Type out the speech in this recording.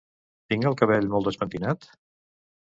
Tinc el cabell molt despentinat?